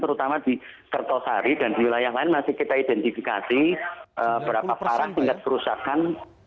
terutama di kertosari dan di wilayah lain masih kita identifikasi berapa parah tingkat kerusakan